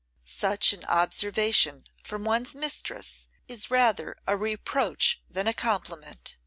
Such an observation from one's mistress is rather a reproach than a compliment.